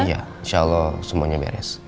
iya insya allah semuanya beres